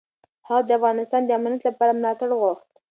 هغه د افغانستان د امنیت لپاره ملاتړ غوښت.